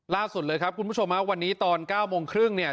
ล่าสุดเลยครับคุณผู้ชมฮะวันนี้ตอน๙โมงครึ่งเนี่ย